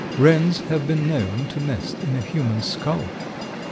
Wrens have been known to nest in a human skull.